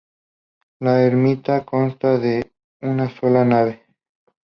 La ermita consta de una sola nave.